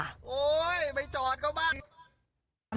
โอ๊ยไปจอดเขาบ้าง